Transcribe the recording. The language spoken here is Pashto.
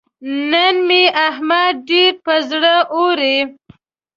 نن مې احمد ډېر پر زړه اوري.